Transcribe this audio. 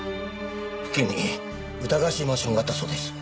付近に疑わしいマンションがあったそうです。